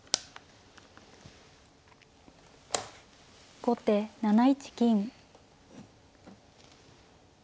後手７一金。